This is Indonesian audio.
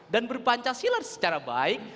dan berpancasila secara baik